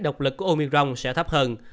độc lực của omicron sẽ thấp hơn